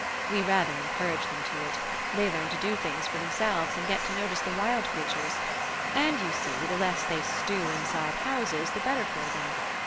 We rather encourage them to it; they learn to do things for themselves, and get to notice the wild creatures; and, you see, the less they stew inside houses the better for them.